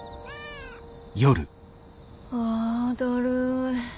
あだるい。